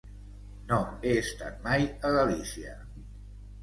No he estat mai a Galícia.